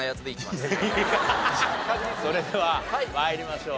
それでは参りましょう。